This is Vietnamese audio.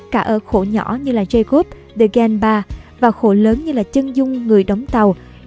cả ở khổ nhỏ như jacob và khổ lớn như chân dung người đóng tàu